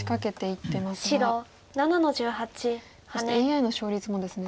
そしてＡＩの勝率もですね